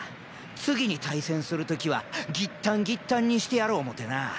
次に対戦するときはぎったんぎったんにしてやろおもてな。